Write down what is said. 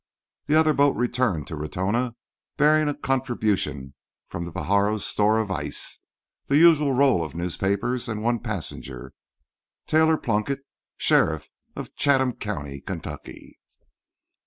The other boat returned to Ratona bearing a contribution from the Pajaro's store of ice, the usual roll of newspapers and one passenger—Taylor Plunkett, sheriff of Chatham County, Kentucky.